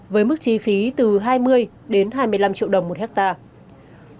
với mức chi phí từ hai mươi đến hai mươi năm triệu đồng một hectare